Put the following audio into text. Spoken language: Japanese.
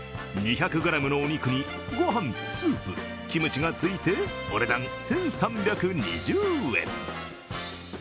２００ｇのお肉に御飯、スープ、キムチがついてお値段１３２０円。